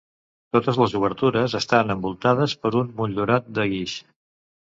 Totes les obertures estan envoltades per un motllurat de guix.